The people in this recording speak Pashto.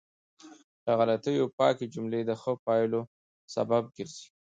له غلطیو پاکې جملې د ښه پایلو سبب ګرځي.